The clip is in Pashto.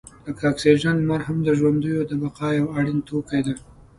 لکه اکسیجن، لمر هم د ژوندیو د بقا یو اړین توکی دی.